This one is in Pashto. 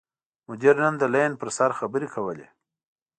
مدیر نن د لین پر سر خبرې کولې.